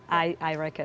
tetapi juga berpengaruh